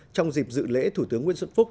trong dịp dự lễ thủ tướng nguyễn xuân phúc